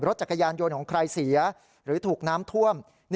รถจักรยานยนต์ของใครเสียหรือถูกน้ำท่วม